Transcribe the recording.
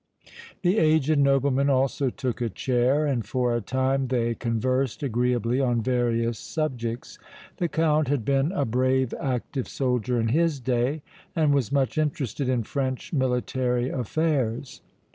The aged nobleman also took a chair, and for a time they conversed agreeably on various subjects. The Count had been a brave, active soldier in his day and was much interested in French military affairs.